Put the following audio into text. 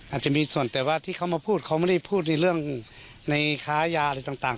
อาจจะมีส่วนแต่ว่าที่เขามาพูดเขาไม่ได้พูดในเรื่องในค้ายาอะไรต่าง